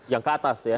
yang keatas ya